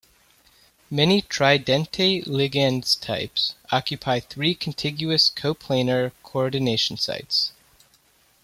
Many tridentate ligands types occupy three contiguous, coplanar coordination sites.